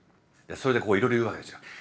それでいろいろ言うわけですよ。